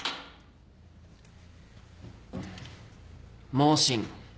妄信。